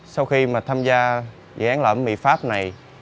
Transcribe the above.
sau khi mà tham gia dự án loại mì pháp này